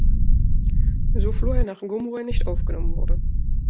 So floh er nach Ghom, wo er nicht aufgenommen wurde.